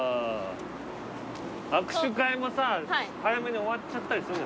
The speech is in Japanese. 握手会もさ早めに終わっちゃったりするの？